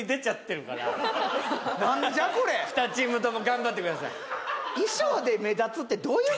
２チームとも頑張ってください